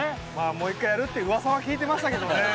もう一回やるってウワサは聞いてましたけどね。